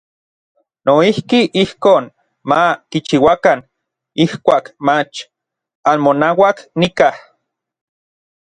Noijki ijkon ma kichiuakan ijkuak mach anmonauak nikaj.